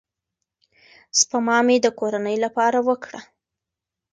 سپما مې د کورنۍ لپاره وکړه.